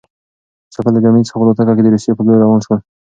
مسافر له جرمني څخه په الوتکه کې د روسيې په لور روان شو.